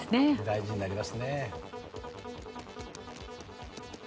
大事になりますね。